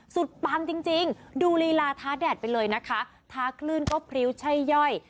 ปังจริงดูลีลาท้าแดดไปเลยนะคะท้าคลื่นก็พริ้วใช่ย่อย